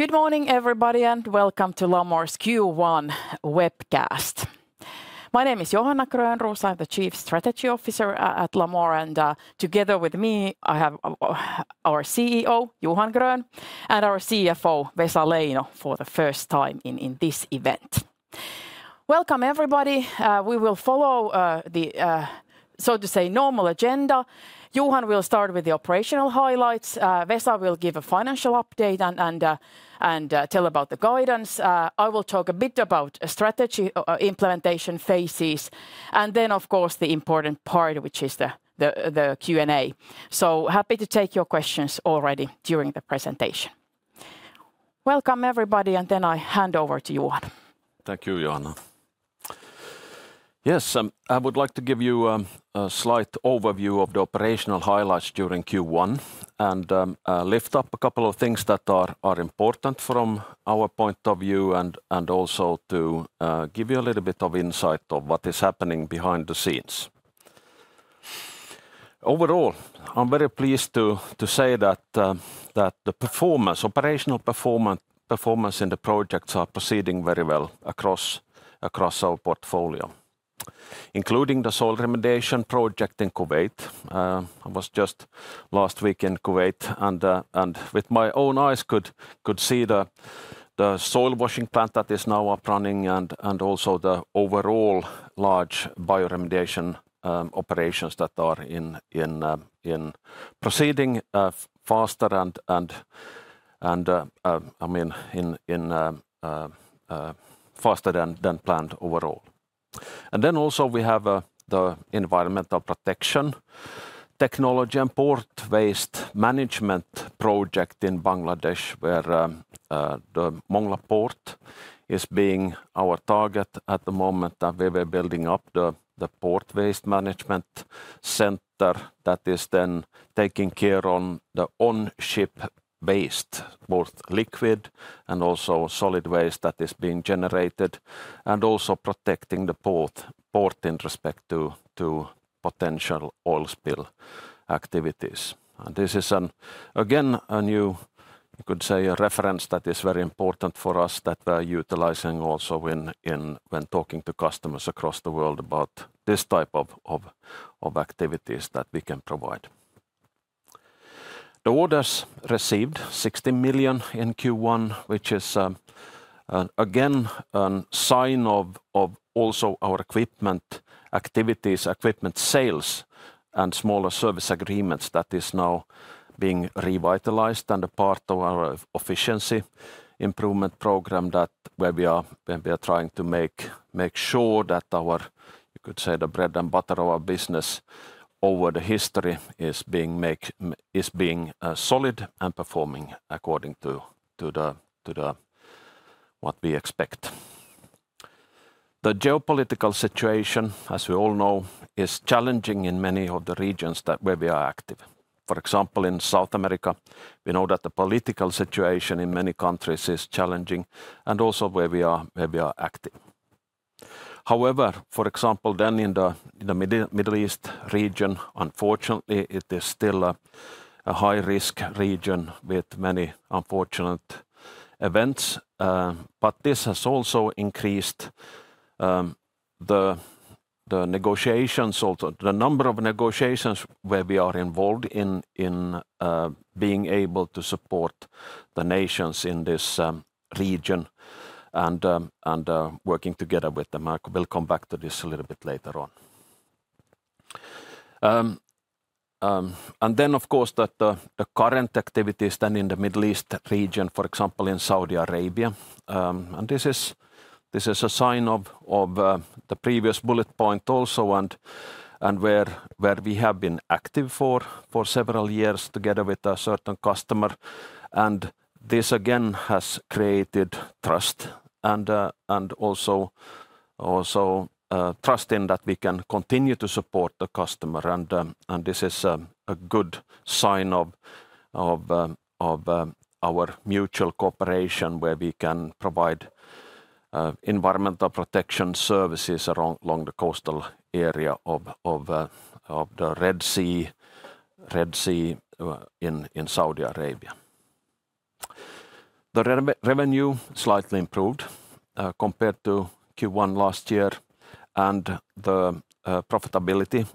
Good morning, everybody, and welcome to Lamor's Q1 webcast. My name is Johanna Grönroos. I'm the Chief Strategy Officer at Lamor, and together with me, I have our CEO, Johan Grön, and our CFO, Vesa Leino, for the first time in this event. Welcome, everybody. We will follow the so to say normal agenda. Johan will start with the operational highlights. Vesa will give a financial update and tell about the guidance. I will talk a bit about strategy or implementation phases, and then, of course, the important part, which is the Q&A. So happy to take your questions already during the presentation. Welcome, everybody, and then I hand over to Johan. Thank you, Johanna. Yes, I would like to give you a slight overview of the operational highlights during Q1 and lift up a couple of things that are important from our point of view, and also to give you a little bit of insight of what is happening behind the scenes. Overall, I'm very pleased to say that the performance, operational performance, in the projects are proceeding very well across our portfolio, including the soil remediation project in Kuwaiti. I was just last week in Kuwaiti, and with my own eyes could see the soil washing plant that is now up running and also the overall large bioremediation operations that are proceeding faster, I mean, faster than planned overall. And then also we have the environmental protection technology and port-based management project in Bangladesh, where the Mongla Port is being our target at the moment, and we were building up the Port Waste Management Center that is then taking care on the on-ship waste, both liquid and also solid waste that is being generated, and also protecting the port in respect to potential oil spill activities. And this is an, again, a new, you could say, a reference that is very important for us, that we're utilizing also when talking to customers across the world about this type of activities that we can provide. The orders received 60 million in Q1, which is, an again, a sign of also our equipment activities, equipment sales, and smaller service agreements that is now being revitalized and a part of our efficiency improvement program where we are trying to make sure that our, you could say, the bread and butter of our business over the history is being solid and performing according to what we expect. The geopolitical situation, as we all know, is challenging in many of the regions where we are active. For example, in South America, we know that the political situation in many countries is challenging and also where we are, where we are active. However, for example, then in the Middle East region, unfortunately, it is still a high-risk region with many unfortunate events, but this has also increased the negotiations, also the number of negotiations where we are involved in being able to support the nations in this region and working together with them. I will come back to this a little bit later on. And then, of course, that the current activities in the Middle East region, for example, in Saudi Arabia, and this is a sign of the previous bullet point also, and where we have been active for several years together with a certain customer, and this again has created trust and also trust in that we can continue to support the customer. And this is a good sign of our mutual cooperation, where we can provide environmental protection services along the coastal area of the Red Sea in Saudi Arabia. The revenue slightly improved compared to Q1 last year, and the profitability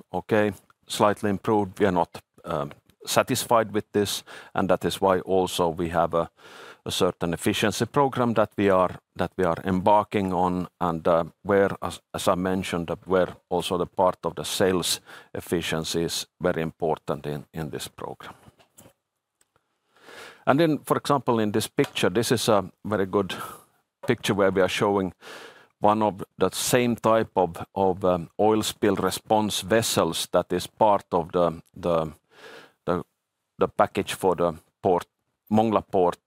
slightly improved. We are not satisfied with this, and that is why also we have a certain efficiency program that we are embarking on, and where, as I mentioned, where also the part of the sales efficiency is very important in this program. And then, for example, in this picture, this is a very good picture where we are showing one of the same type of oil spill response vessels that is part of the package for the port, Mongla Port,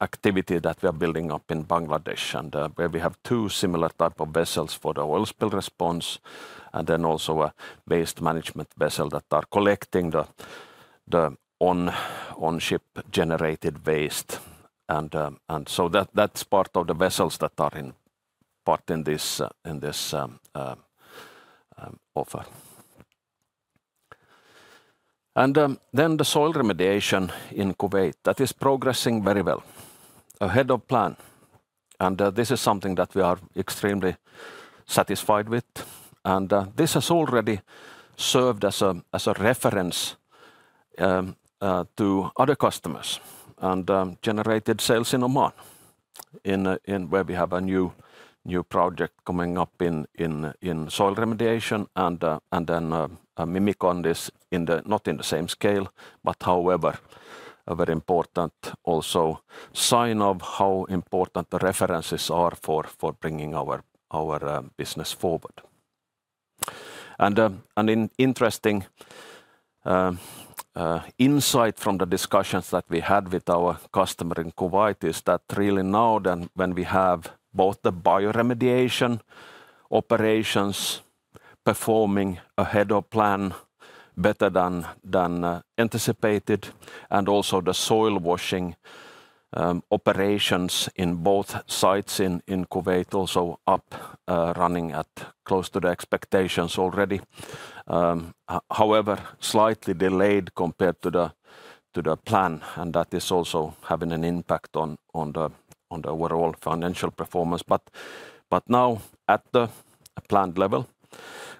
activity that we are building up in Bangladesh, and where we have two similar type of vessels for the oil spill response, and then also a waste management vessel that are collecting the on-ship-generated waste. That's part of the vessels that are in part in this offer. Then the soil remediation in Kuwaiti, that is progressing very well, ahead of plan, and this is something that we are extremely satisfied with. This has already served as a reference to other customers and generated sales in Oman, where we have a new project coming up in soil remediation. Then, a Mimic on this, not in the same scale, but however, a very important also sign of how important the references are for bringing our business forward. An interesting insight from the discussions that we had with our customer in Kuwaiti is that really now then, when we have both the bioremediation operations performing ahead of plan, better than anticipated, and also the soil washing operations in both sites in Kuwaiti also up and running at close to the expectations already. However, slightly delayed compared to the plan, and that is also having an impact on the overall financial performance. But now at the planned level,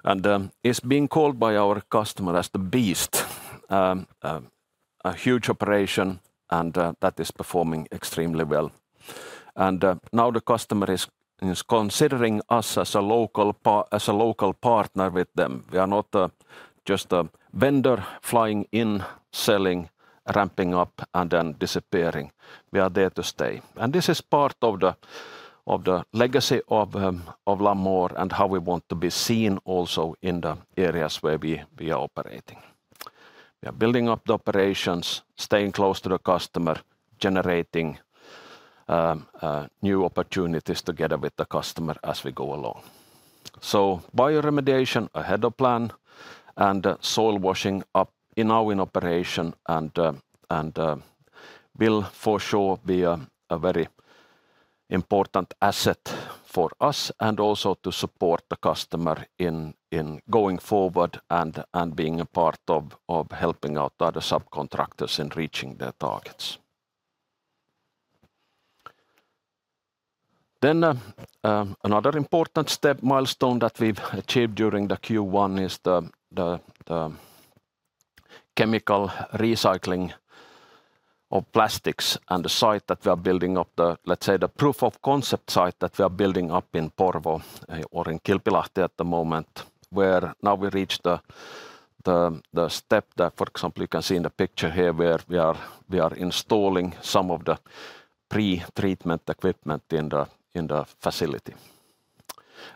and it's being called by our customer as the beast. A huge operation, and that is performing extremely well. And now the customer is considering us as a local partner with them. We are not just a vendor flying in, selling, ramping up, and then disappearing. We are there to stay. And this is part of the legacy of Lamor, and how we want to be seen also in the areas where we are operating. We are building up the operations, staying close to the customer, generating new opportunities together with the customer as we go along. So bioremediation ahead of plan, and soil washing up in now in operation, and will for sure be a very important asset for us, and also to support the customer in going forward, and being a part of helping out other subcontractors in reaching their targets. Then, another important step milestone that we've achieved during the Q1, is the chemical recycling of plastics, and the site that we are building up. Let's say, the proof of concept site that we are building up in Porvoo, or in Kilpilahti at the moment, where now we reached the step that, for example, you can see in the picture here, where we are installing some of the pre-treatment equipment in the facility.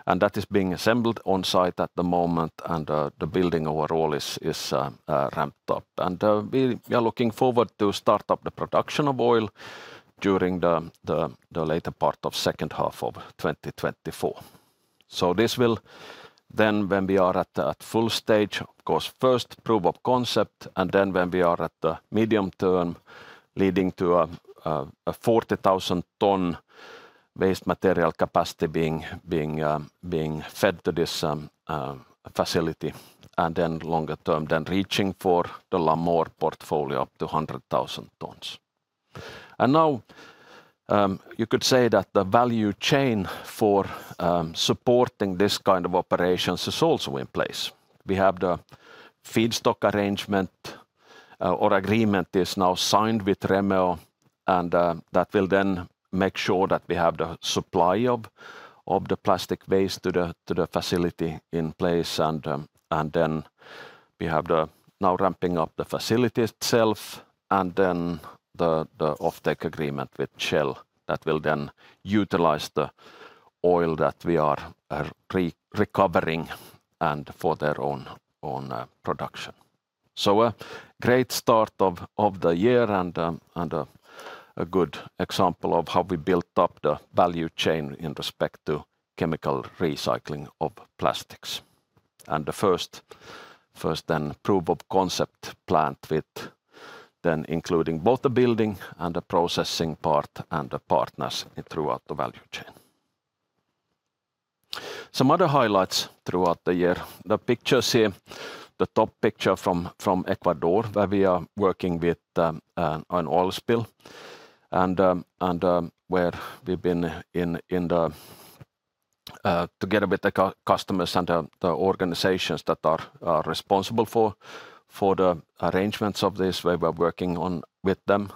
And that is being assembled on site at the moment, and the building overall is ramped up. And, we are looking forward to start up the production of oil during the later part of second half of 2024. So this will then, when we are at the full stage, of course, first proof of concept, and then when we are at the medium term, leading to a 40,000-ton waste material capacity being fed to this facility, and then longer term, then reaching for the Lamor portfolio up to 100,000 tons. And now, you could say that the value chain for supporting this kind of operations is also in place. We have the feedstock arrangement, or agreement is now signed with Remeo, and that will then make sure that we have the supply of the plastic waste to the facility in place. And, and then we have now ramping up the facility itself, and then the offtake agreement with Shell, that will then utilize the oil that we are recovering, and for their own production. So a great start of the year, and a good example of how we built up the value chain in respect to chemical recycling of plastics. And the first proof of concept plant with then including both the building and the processing part, and the partners throughout the value chain. Some other highlights throughout the year. The pictures here, the top picture from Ecuador, where we are working with an oil spill, and where we've been in the... Together with the customers and the organizations that are responsible for the arrangements of this, where we're working on with them.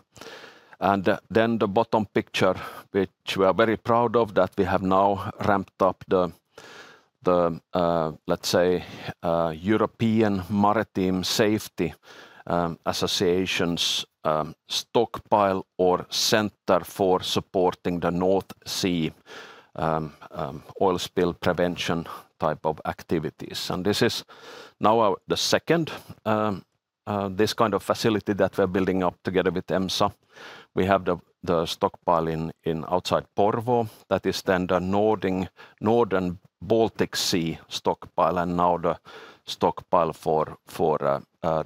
And then the bottom picture, which we are very proud of, that we have now ramped up the, let's say, European Maritime Safety Agency's stockpile or center for supporting the North Sea oil spill prevention type of activities. And this is now our... The second, this kind of facility that we're building up together with EMSA. We have the stockpile in outside Porvoo, that is then the Northern Baltic Sea stockpile, and now the stockpile for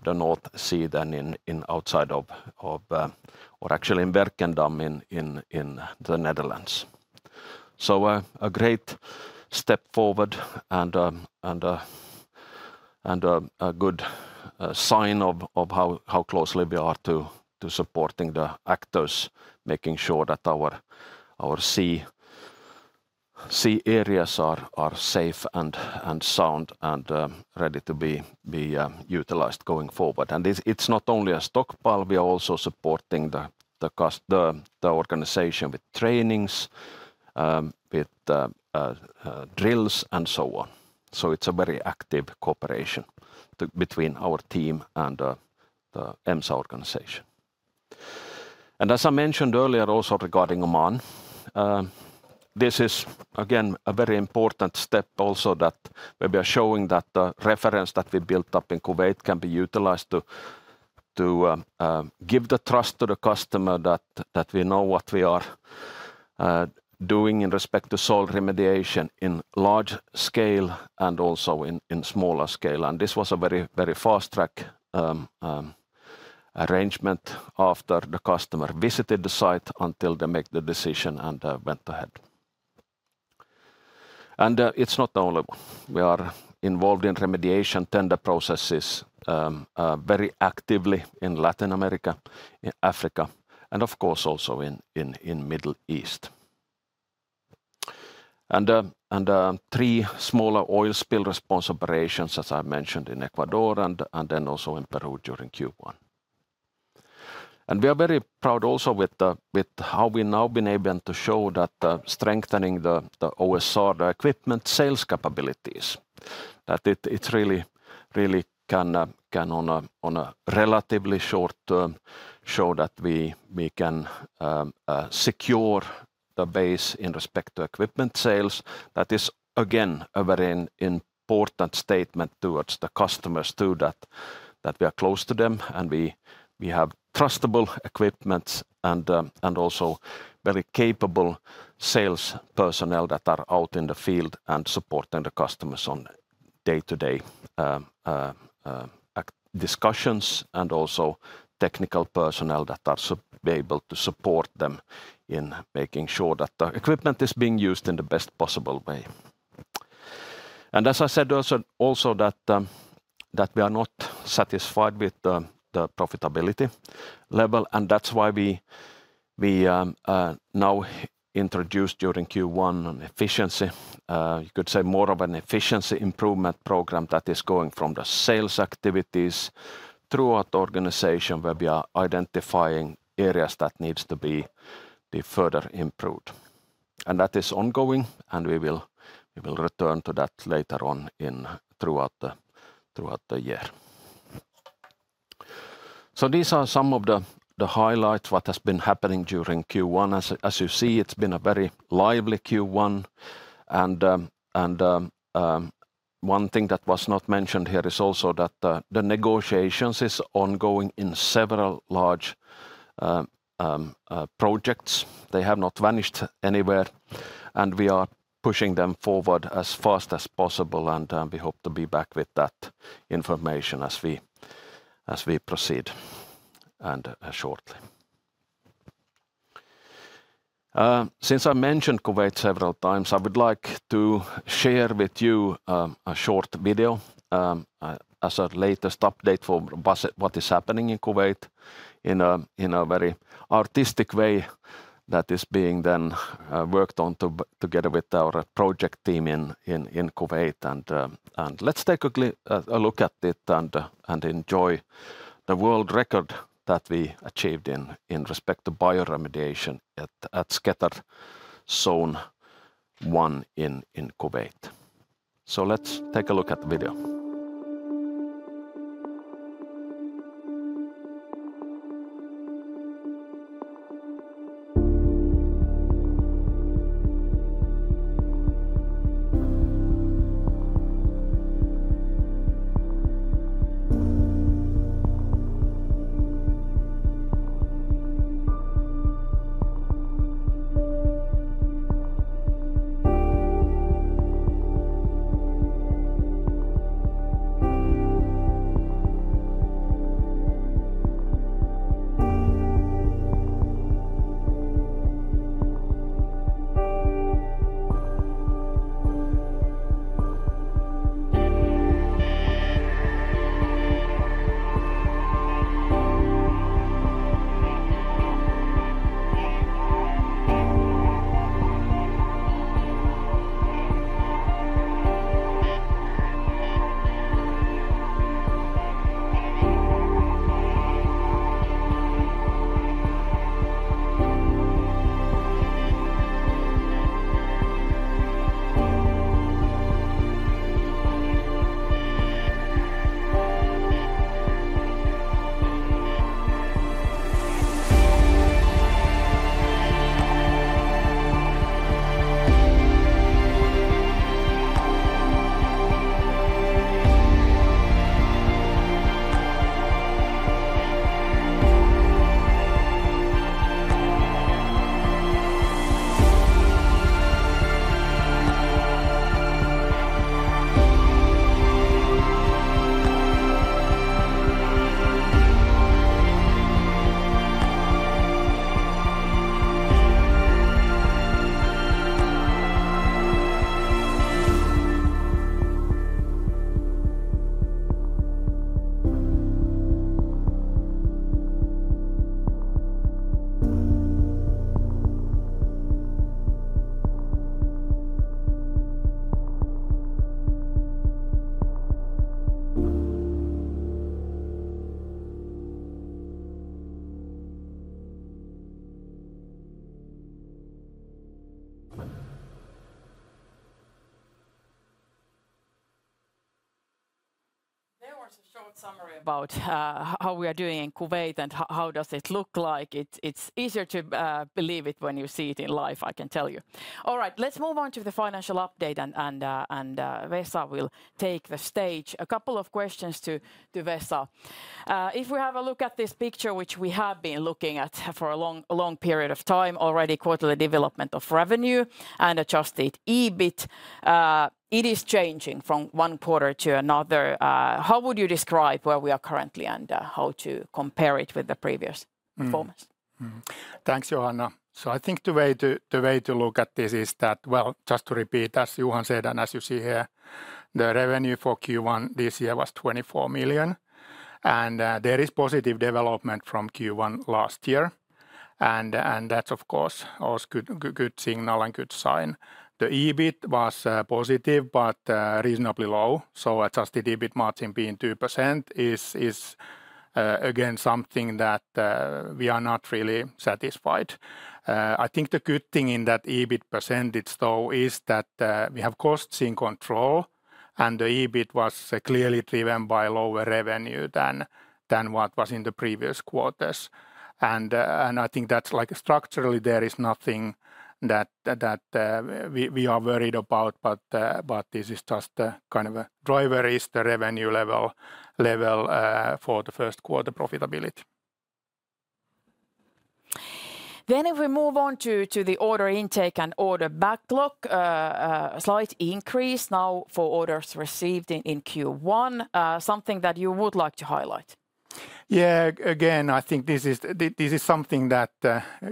the North Sea, then in outside of, or actually in Werkendam, in the Netherlands. So, a great step forward and a good sign of how closely we are to supporting the actors, making sure that our sea areas are safe and sound, and ready to be utilized going forward. And it's not only a stockpile, we are also supporting the organization with trainings, with drills, and so on. So it's a very active cooperation between our team and the EMSA organization. As I mentioned earlier also regarding Oman, this is again a very important step also that we are showing that the reference that we built up in Kuwaiti can be utilized to give the trust to the customer that we know what we are doing in respect to soil remediation in large scale and also in smaller scale. And this was a very, very fast track arrangement after the customer visited the site, until they make the decision and went ahead. And it's not the only one. We are involved in remediation tender processes very actively in Latin America, in Africa, and of course, also in Middle East. And three smaller oil spill response operations, as I mentioned, in Ecuador and then also in Peru during Q1. We are very proud also with how we've now been able to show that strengthening the OSR equipment sales capabilities really can on a relatively short term show that we can secure the base in respect to equipment sales. That is, again, a very important statement towards the customers too, that we are close to them, and we have trustable equipment and also very capable sales personnel that are out in the field and supporting the customers on day-to-day discussions, and also technical personnel that are able to support them in making sure that the equipment is being used in the best possible way. As I said, also that we are not satisfied with the profitability level, and that's why we now introduced during Q1 an efficiency improvement program that is going from the sales activities throughout the organization, where we are identifying areas that needs to be further improved. And that is ongoing, and we will return to that later on throughout the year. So these are some of the highlights, what has been happening during Q1. As you see, it's been a very lively Q1, and one thing that was not mentioned here is also that the negotiations is ongoing in several large projects. They have not vanished anywhere, and we are pushing them forward as fast as possible, and we hope to be back with that information as we proceed, and shortly. Since I mentioned Kuwaiti several times, I would like to share with you a short video as a latest update for what is happening in Kuwaiti, in a very artistic way, that is being then worked on together with our project team in Kuwaiti. Let's take a look at it, and enjoy the world record that we achieved in respect to bioremediation at SKETR Zone 1 in Kuwaiti. So let's take a look at the video. ... There was a short summary about how we are doing in Kuwaiti and how does it look like. It's easier to believe it when you see it live, I can tell you. All right, let's move on to the financial update and Vesa will take the stage. A couple of questions to Vesa. If we have a look at this picture, which we have been looking at for a long period of time already, quarterly development of revenue and adjusted EBIT, it is changing from one quarter to another. How would you describe where we are currently, and how to compare it with the previous performance? Mm-hmm. Mm-hmm. Thanks, Johanna. So I think the way to, the way to look at this is that... Well, just to repeat, as Johan said, and as you see here, the revenue for Q1 this year was 24 million, and there is positive development from Q1 last year. And that's, of course, also good, good signal and good sign. The EBIT was positive, but reasonably low, so adjusted EBIT margin being 2% is again something that we are not really satisfied. I think the good thing in that EBIT percentage, though, is that we have costs in control, and the EBIT was clearly driven by lower revenue than what was in the previous quarters. I think that's like, structurally, there is nothing that we are worried about, but this is just a kind of a driver: the revenue level for the first quarter profitability. Then if we move on to the order intake and order backlog, a slight increase now for orders received in Q1. Something that you would like to highlight? Yeah, again, I think this is... this is something that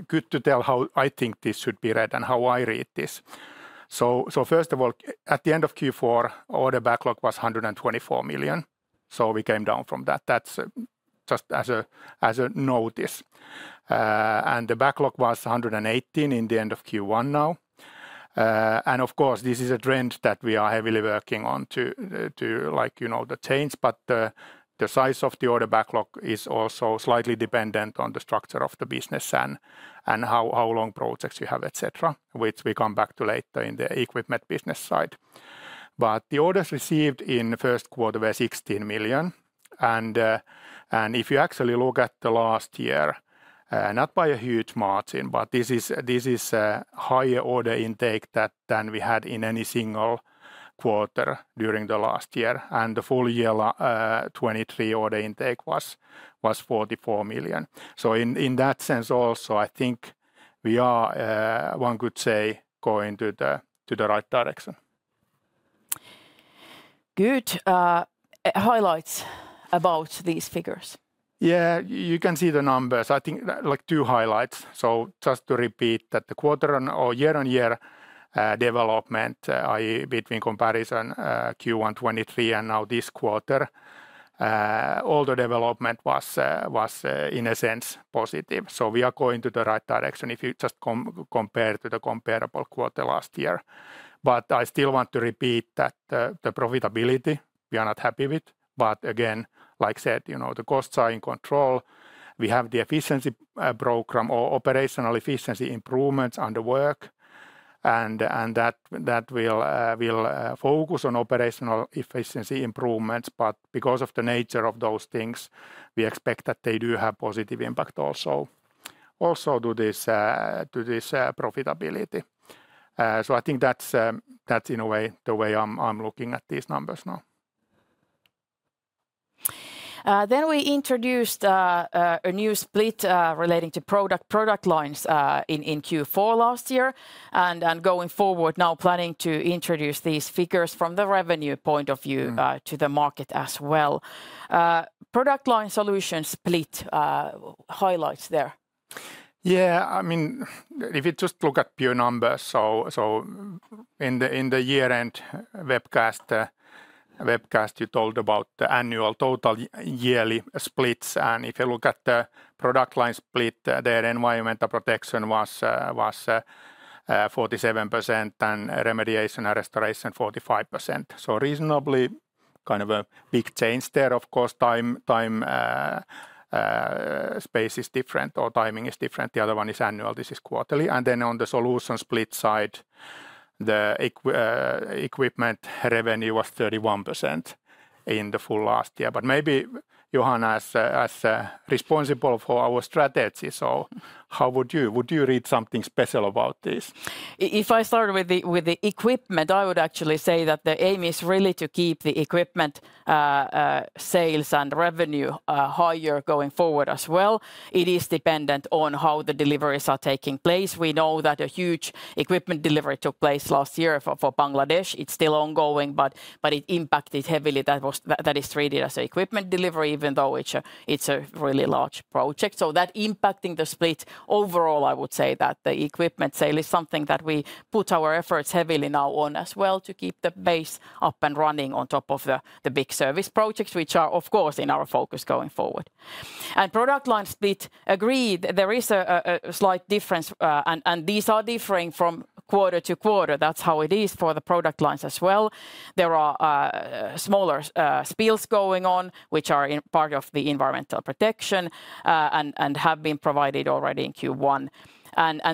good to tell how I think this should be read and how I read this. So, first of all, at the end of Q4, order backlog was 124 million, so we came down from that. That's just as a notice. And the backlog was 118 million in the end of Q1 now. And of course, this is a trend that we are heavily working on to, like, you know, to change, but the size of the order backlog is also slightly dependent on the structure of the business and how long projects you have, et cetera, which we come back to later in the equipment business side. But the orders received in the first quarter were 16 million, and if you actually look at the last year, not by a huge margin, but this is higher order intake than we had in any single quarter during the last year, and the full year 2023 order intake was 44 million. So in that sense also, I think we are, one could say, going to the right direction. Good. Highlights about these figures? Yeah, you can see the numbers. I think, like, two highlights. So just to repeat that the quarter on or year-on-year development, i.e., between comparison, Q1 2023 and now this quarter, all the development was in a sense, positive. So we are going to the right direction if you just compare to the comparable quarter last year. But I still want to repeat that the profitability, we are not happy with, but again, like I said, you know, the costs are in control. We have the efficiency program or operational efficiency improvements on the work, and that will focus on operational efficiency improvements. But because of the nature of those things, we expect that they do have positive impact also to this profitability. So I think that's, that's in a way, the way I'm, I'm looking at these numbers now. Then we introduced a new split relating to product lines in Q4 last year, and going forward, now planning to introduce these figures from the revenue point of view. Mm... to the market as well. Product line solution split, highlights there? Yeah, I mean, if you just look at pure numbers, so in the year-end webcast, you talked about the annual total yearly splits, and if you look at the product line split, the environmental protection was 47%, and remediation and restoration, 45%. So reasonably kind of a big change there, of course, space is different or timing is different. The other one is annual, this is quarterly. And then on the solution split side, the equipment revenue was 31% in the full last year. But maybe, Johan, as responsible for our strategy, so how would you read something special about this? If I start with the equipment, I would actually say that the aim is really to keep the equipment sales and revenue higher going forward as well. It is dependent on how the deliveries are taking place. We know that a huge equipment delivery took place last year for Bangladesh. It's still ongoing, but it impacted heavily. That is treated as a equipment delivery, even though it's a really large project. So that impacting the split, overall, I would say that the equipment sale is something that we put our efforts heavily now on as well to keep the base up and running on top of the big service projects, which are, of course, in our focus going forward. Product line split, agreed, there is a slight difference, and these are differing from quarter to quarter. That's how it is for the product lines as well. There are smaller spills going on, which are in part of the environmental protection, and have been provided already in Q1.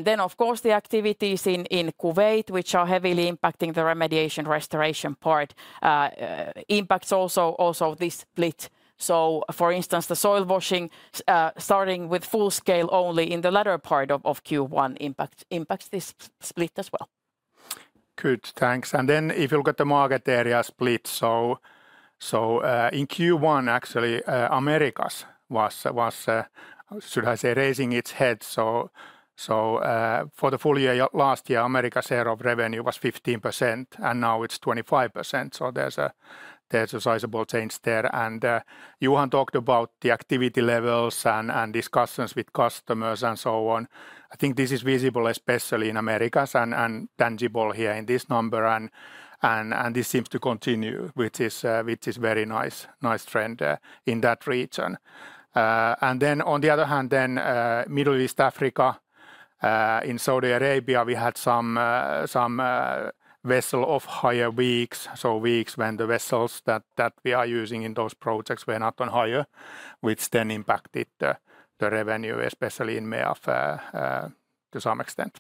Then, of course, the activities in Kuwaiti, which are heavily impacting the remediation restoration part, impacts also this split. So for instance, the soil washing starting with full scale only in the latter part of Q1 impacts this split as well. Good, thanks. And then if you look at the market area split, in Q1, actually, Americas was, should I say, raising its head. For the full year last year, Americas share of revenue was 15%, and now it's 25%, so there's a sizable change there. And Johan talked about the activity levels and discussions with customers and so on. I think this is visible especially in Americas and tangible here in this number, and this seems to continue, which is very nice, nice trend in that region. And then on the other hand, Middle East Africa, in Saudi Arabia, we had some vessels off-hire weeks, so weeks when the vessels we are using in those projects were not on hire, which then impacted the revenue, especially in MEAF, to some extent.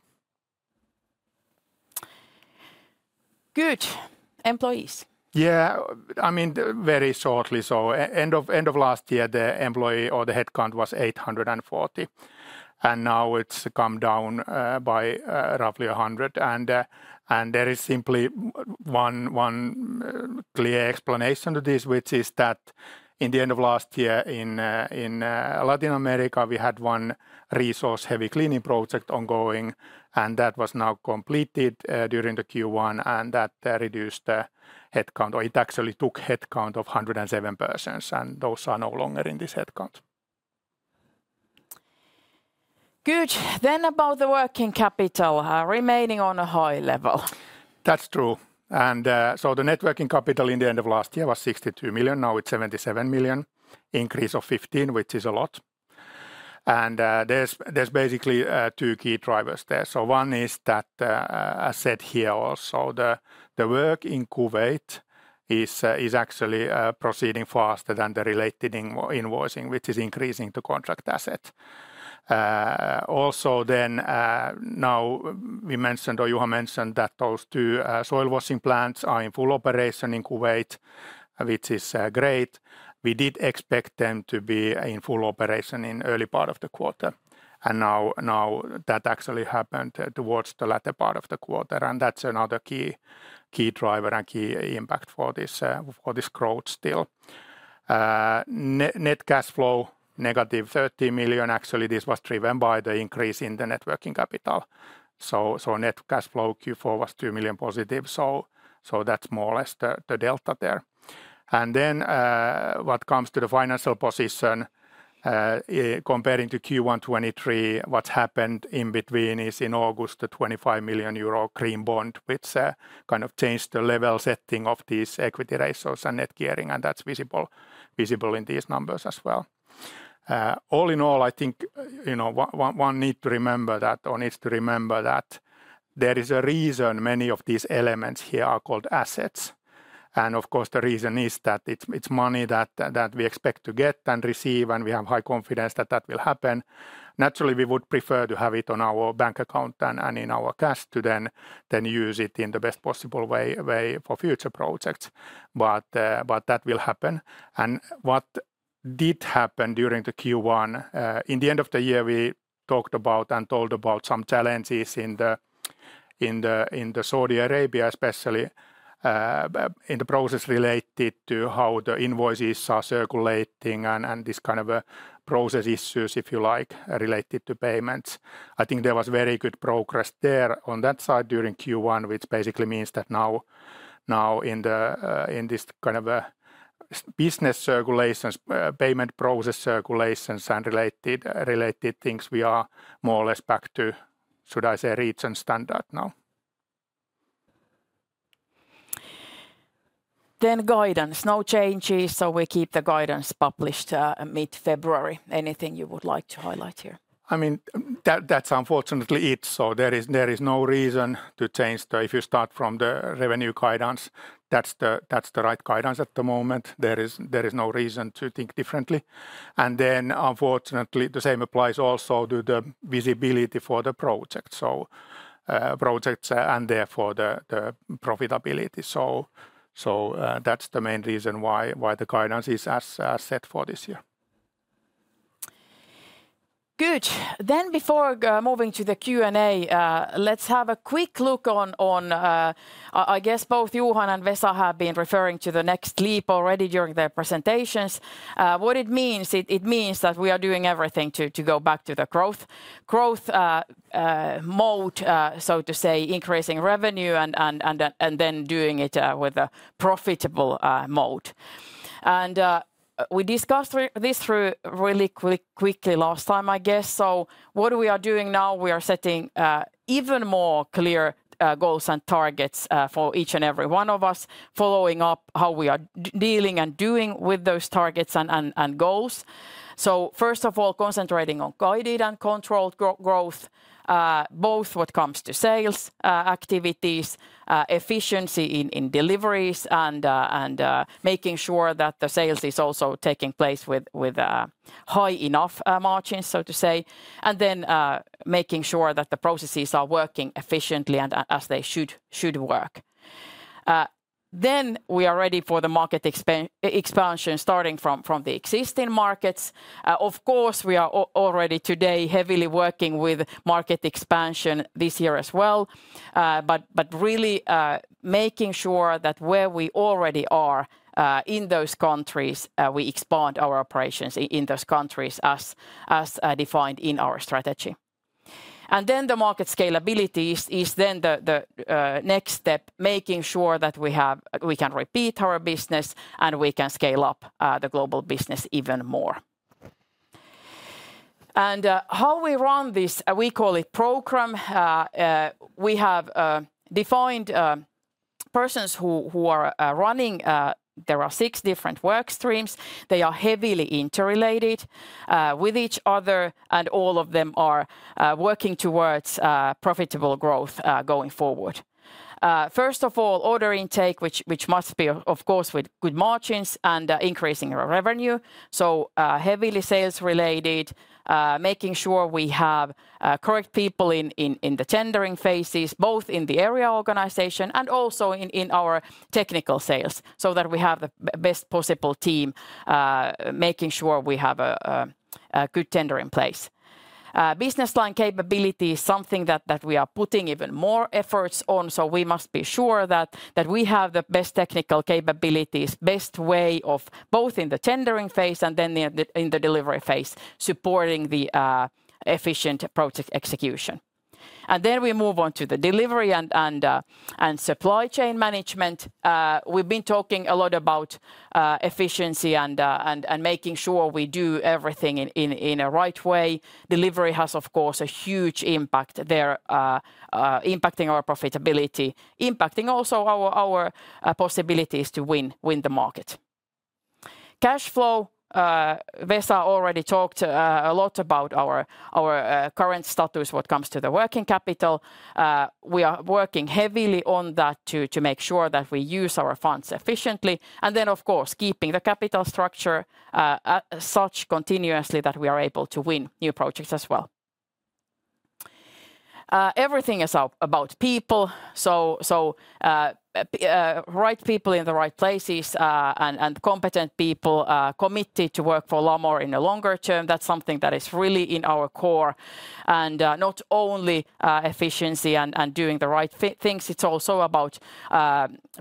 Good. Employees. Yeah, I mean, very shortly, so end of last year, the employee or the headcount was 840, and now it's come down by roughly 100. And there is simply one clear explanation to this, which is that in the end of last year, in Latin America, we had one resource-heavy cleaning project ongoing, and that was now completed during the Q1, and that reduced the headcount, or it actually took headcount of 107 persons, and those are no longer in this headcount. Good. Then about the working capital, remaining on a high level. That's true. So the net working capital in the end of last year was 62 million. Now it's 77 million, increase of 15, which is a lot. And, there's basically 2 key drivers there. So one is that, I said here also, the work in Kuwaiti is actually proceeding faster than the related invoicing, which is increasing the contract asset. Also then, now we mentioned, or Johan mentioned, that those 2 soil washing plants are in full operation in Kuwaiti, which is great. We did expect them to be in full operation in early part of the quarter, and now that actually happened towards the latter part of the quarter, and that's another key driver and key impact for this growth still. Net cash flow, negative 30 million. Actually, this was driven by the increase in the net working capital. So net cash flow, Q4 was 2 million positive, so that's more or less the delta there. And then, what comes to the financial position, comparing to Q1 2023, what happened in between is in August, the 25 million euro green bond, which kind of changed the level setting of these equity ratios and net gearing, and that's visible in these numbers as well. All in all, I think, you know, one needs to remember that there is a reason many of these elements here are called assets, and of course, the reason is that it's money that we expect to get and receive, and we have high confidence that that will happen. Naturally, we would prefer to have it on our bank account than and in our cash to then use it in the best possible way for future projects, but that will happen. What did happen during Q1, in the end of the year, we talked about and told about some challenges in Saudi Arabia, especially, in the process related to how the invoices are circulating and this kind of process issues, if you like, related to payments. I think there was very good progress there on that side during Q1, which basically means that now in this kind of business circulations, payment process circulations, and related things, we are more or less back to, should I say, region standard now?... Then guidance, no changes, so we keep the guidance published, mid-February. Anything you would like to highlight here? I mean, that's unfortunately it, so there is no reason to change the... If you start from the revenue guidance, that's the right guidance at the moment. There is no reason to think differently. And then unfortunately, the same applies also to the visibility for the project, so projects, and therefore the profitability. So that's the main reason why the guidance is as set for this year. Good. Then before moving to the Q&A, let's have a quick look on. I guess both Johan and Vesa have been referring to the next leap already during their presentations. What it means, it means that we are doing everything to go back to the growth mode, so to say, increasing revenue, and then doing it with a profitable mode. And we discussed through this really quickly last time, I guess. So what we are doing now, we are setting even more clear goals and targets for each and every one of us, following up how we are dealing and doing with those targets and goals. So first of all, concentrating on guided and controlled growth, both when it comes to sales activities, efficiency in deliveries, and making sure that the sales is also taking place with high enough margins, so to say. And then, making sure that the processes are working efficiently and as they should work. Then we are ready for the market expansion, starting from the existing markets. Of course, we are already today heavily working with market expansion this year as well. But really, making sure that where we already are in those countries, we expand our operations in those countries as defined in our strategy. And then the market scalability is then the next step, making sure that we have... We can repeat our business, and we can scale up the global business even more. And how we run this, we call it program. We have defined persons who are running. There are six different work streams. They are heavily interrelated with each other, and all of them are working towards profitable growth going forward. First of all, order intake, which must be, of course, with good margins and increasing our revenue, so heavily sales-related. Making sure we have correct people in the tendering phases, both in the area organization and also in our technical sales, so that we have the best possible team, making sure we have a good tender in place. Business line capability is something that we are putting even more efforts on, so we must be sure that we have the best technical capabilities, best way of both in the tendering phase and then in the delivery phase, supporting the efficient project execution. And then we move on to the delivery and supply chain management. We've been talking a lot about efficiency and making sure we do everything in a right way. Delivery has, of course, a huge impact there, impacting our profitability, impacting also our possibilities to win the market. Cash flow, Vesa already talked a lot about our current status when it comes to the working capital. We are working heavily on that to make sure that we use our funds efficiently, and then of course, keeping the capital structure such continuously that we are able to win new projects as well. Everything is about people, so right people in the right places, and competent people are committed to work for Lamor in the longer term. That's something that is really in our core, and not only efficiency and doing the right things, it's also about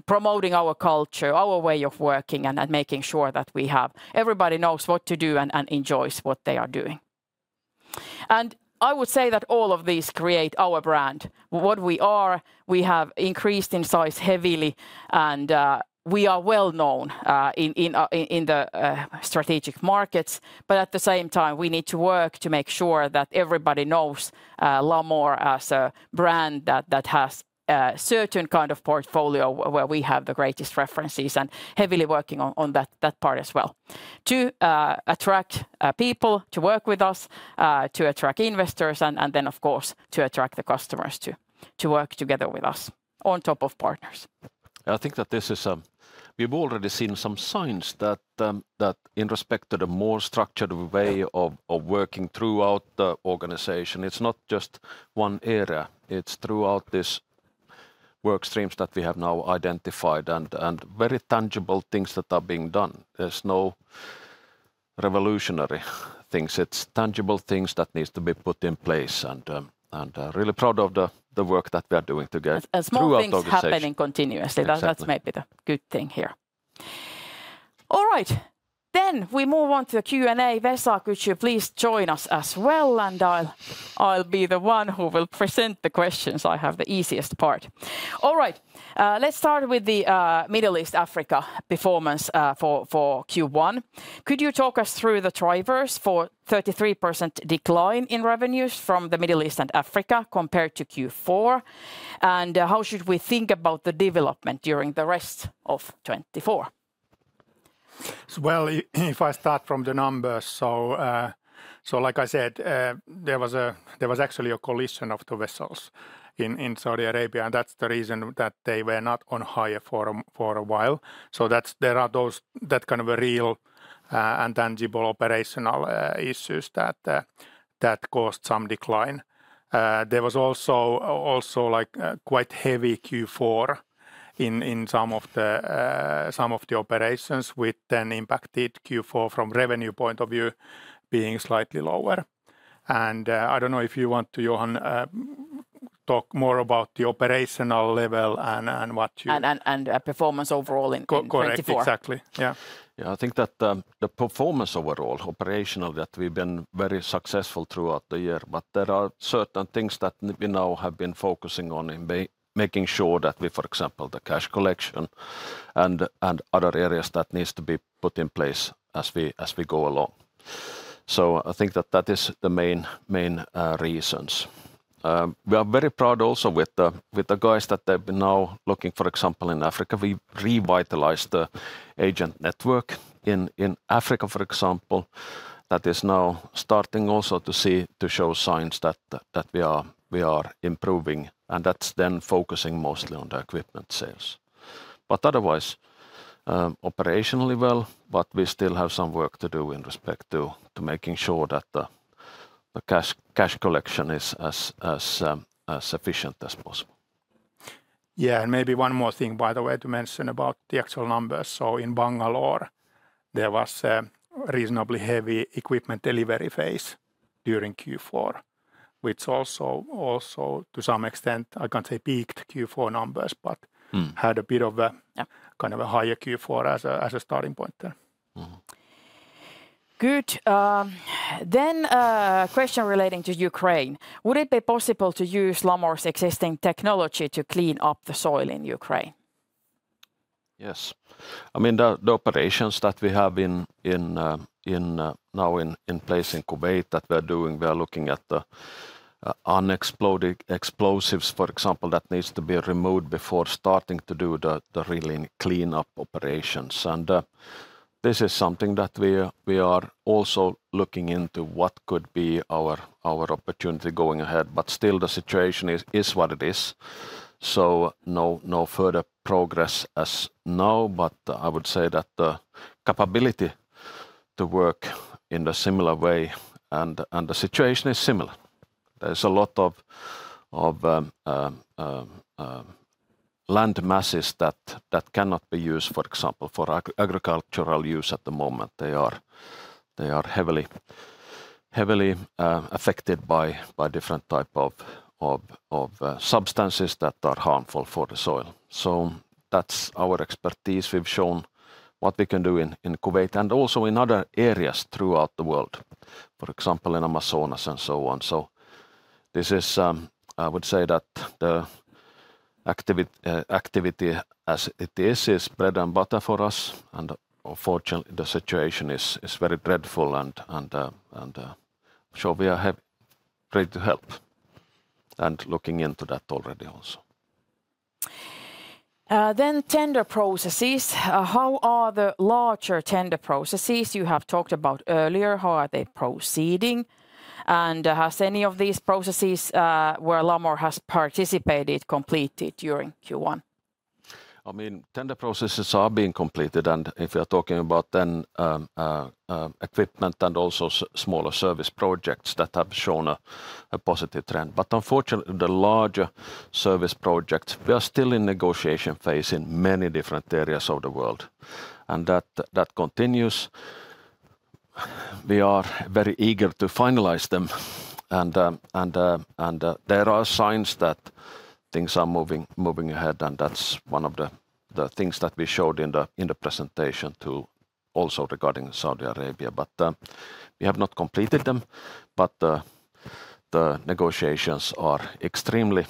promoting our culture, our way of working, and making sure that we have... Everybody knows what to do and enjoys what they are doing. And I would say that all of these create our brand. What we are, we have increased in size heavily, and we are well-known in the strategic markets. But at the same time, we need to work to make sure that everybody knows Lamor as a brand that has a certain kind of portfolio, where we have the greatest references, and heavily working on that part as well, to attract people to work with us, to attract investors, and then of course, to attract the customers to work together with us, on top of partners. I think that this is. We've already seen some signs that in respect to the more structured way- Yeah... of working throughout the organization, it's not just one area. It's throughout this work streams that we have now identified, and very tangible things that are being done. There's no revolutionary things. It's tangible things that needs to be put in place, and really proud of the work that we are doing together- As-... throughout the organization... small things happening continuously. Exactly. That, that's maybe the good thing here. All right, then we move on to the Q&A. Vesa, could you please join us as well? And I'll, I'll be the one who will present the questions. I have the easiest part. All right, let's start with the Middle East/Africa performance for Q1. Could you talk us through the drivers for 33% decline in revenues from the Middle East and Africa compared to Q4? And how should we think about the development during the rest of 2024?... Well, if I start from the numbers, so like I said, there was actually a collision of the vessels in Saudi Arabia, and that's the reason that they were not on hire for a while. So that's. There are those, that kind of a real and tangible operational issues that caused some decline. There was also, like, a quite heavy Q4 in some of the operations, which then impacted Q4 from revenue point of view being slightly lower. And I don't know if you want to, Johan, talk more about the operational level and what you- performance overall in 2024. Correct, exactly. Yeah. Yeah, I think that, the performance overall, operational, that we've been very successful throughout the year, but there are certain things that we now have been focusing on in making sure that we, for example, the cash collection and, and other areas that needs to be put in place as we, as we go along. So I think that that is the main, main, reasons. We are very proud also with the, with the guys that they've been now looking, for example, in Africa. We revitalized the agent network in, in Africa, for example, that is now starting also to show signs that, that we are, we are improving, and that's then focusing mostly on the equipment sales. Otherwise, operationally well, but we still have some work to do in respect to making sure that the cash collection is as efficient as possible. Yeah, and maybe one more thing, by the way, to mention about the actual numbers. So in Bangladesh, there was a reasonably heavy equipment delivery phase during Q4, which also, also, to some extent, I can't say peaked Q4 numbers, but- Mm... had a bit of a- Yeah... kind of a higher Q4 as a, as a starting point there. Mm-hmm. Good. A question relating to Ukraine: Would it be possible to use Lamor's existing technology to clean up the soil in Ukraine? Yes. I mean, the operations that we have in place in Kuwaiti that we're doing, we are looking at the unexploded explosives, for example, that needs to be removed before starting to do the really clean-up operations. And this is something that we are also looking into what could be our opportunity going ahead, but still the situation is what it is, so no further progress as now. But I would say that the capability to work in a similar way, and the situation is similar. There's a lot of land masses that cannot be used, for example, for agricultural use at the moment. They are heavily affected by different type of substances that are harmful for the soil. So that's our expertise. We've shown what we can do in Kuwaiti and also in other areas throughout the world, for example, in Amazonas and so on. So this is, I would say that the activity as it is, is bread and butter for us, and unfortunately, the situation is very dreadful and, so we are ready to help, and looking into that already also. Then tender processes. How are the larger tender processes you have talked about earlier, how are they proceeding? And has any of these processes, where Lamor has participated, completed during Q1? I mean, tender processes are being completed, and if you're talking about then, equipment and also smaller service projects that have shown a positive trend. But unfortunately, the larger service projects, we are still in negotiation phase in many different areas of the world, and that continues. We are very eager to finalize them, and there are signs that things are moving ahead, and that's one of the things that we showed in the presentation, too, also regarding Saudi Arabia. But we have not completed them, but the negotiations are extremely.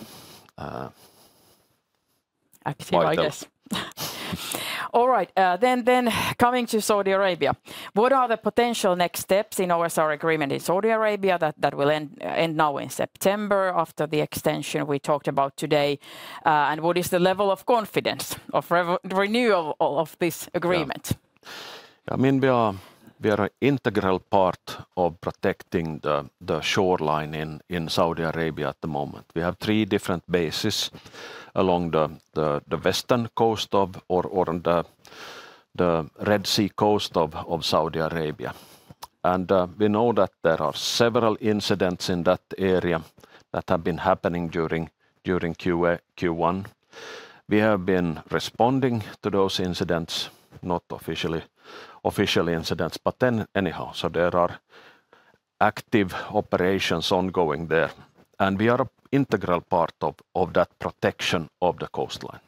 Active, I guess. vital. All right, then coming to Saudi Arabia, what are the potential next steps in OSR agreement in Saudi Arabia that will end now in September after the extension we talked about today? And what is the level of confidence of renewal of this agreement? Yeah. I mean, we are an integral part of protecting the shoreline in Saudi Arabia at the moment. We have three different bases along the western coast, or on the Red Sea coast of Saudi Arabia. And we know that there are several incidents in that area that have been happening during Q1. We have been responding to those incidents, not official incidents, but anyhow, so there are active operations ongoing there, and we are an integral part of that protection of the coastline.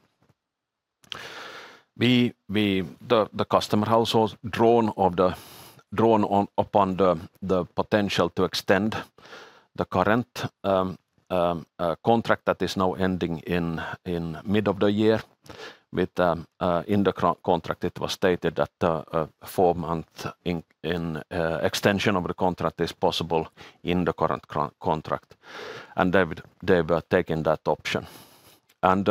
The customer has also drawn upon the potential to extend the current contract that is now ending in mid of the year. Within the contract, it was stated that a four-month extension of the contract is possible in the current contract, and they've taken that option. And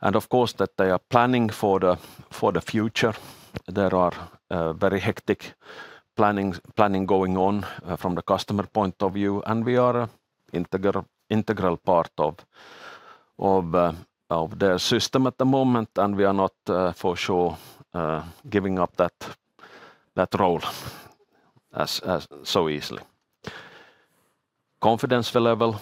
of course, that they are planning for the future. There are very hectic planning going on from the customer point of view, and we are an integral part of their system at the moment, and we are not for sure giving up that role so easily. Confidence level,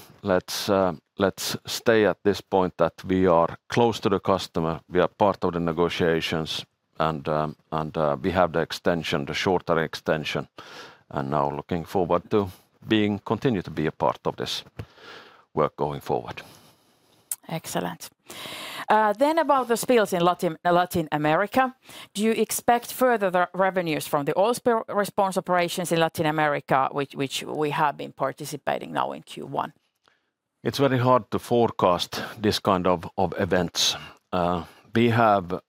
let's stay at this point that we are close to the customer, we are part of the negotiations, and we have the extension, the shorter extension, and now looking forward to continue to be a part of this work going forward. Excellent. Then about the spills in Latin America, do you expect further the revenues from the oil spill response operations in Latin America, which we have been participating now in Q1? It's very hard to forecast this kind of events. We have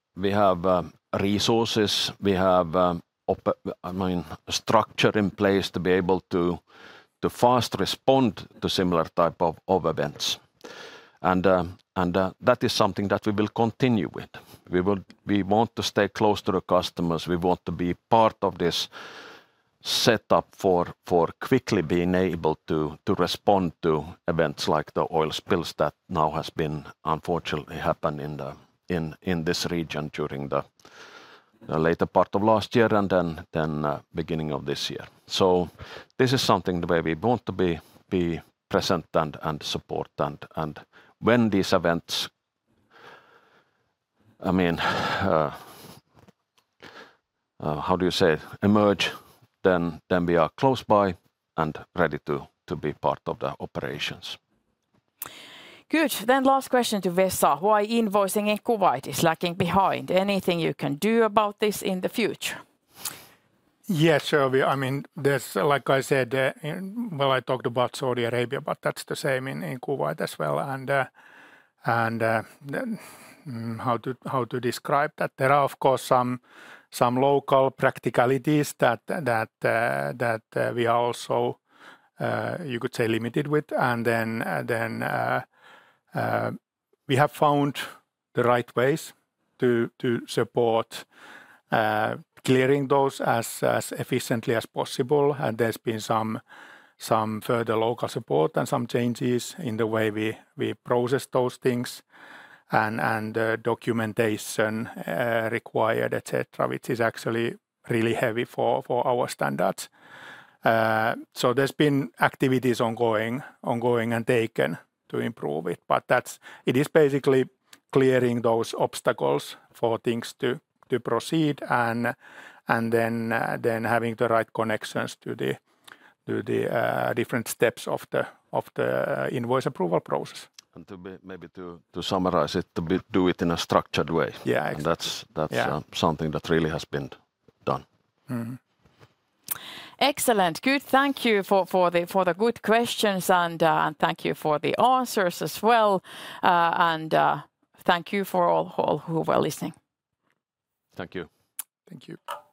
resources. We have structure in place to be able to fast respond to similar type of events. I mean, that is something that we will continue with. We will. We want to stay close to the customers. We want to be part of this setup for quickly being able to respond to events like the oil spills that now has been unfortunately happened in this region during the later part of last year and then beginning of this year. So this is something the way we want to be present and support. And when these events, I mean, how do you say, emerge, then we are close by and ready to be part of the operations. Good. Then last question to Vesa. Why invoicing in Kuwaiti is lagging behind? Anything you can do about this in the future? Yes, sure, we... I mean, there's, like I said, well, I talked about Saudi Arabia, but that's the same in Kuwaiti as well. And then, how to describe that? There are, of course, some local practicalities that we are also, you could say, limited with. And then, we have found the right ways to support clearing those as efficiently as possible. And there's been some further local support and some changes in the way we process those things and documentation required, et cetera, which is actually really heavy for our standards. So there's been activities ongoing and taken to improve it, but that's. It is basically clearing those obstacles for things to proceed and then having the right connections to the different steps of the invoice approval process. And maybe to summarize it, do it in a structured way. Yeah, exactly. And that's- Yeah... that's something that really has been done. Mm-hmm. Excellent. Good. Thank you for the good questions, and thank you for the answers as well. And thank you for all who were listening. Thank you. Thank you.